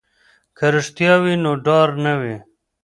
که رښتیا وي نو ډار نه وي.